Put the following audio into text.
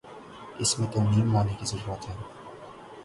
اس میں ترمیم لانے کی ضرورت ہے۔